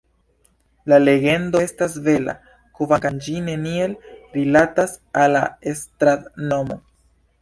La legendo estas bela, kvankam ĝi neniel rilatas al la strat-nomo.